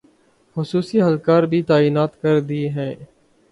خصوصی اہلکار بھی تعینات کردیئے ہیں